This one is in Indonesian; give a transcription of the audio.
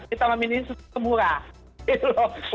kita memilihnya semurah gitu loh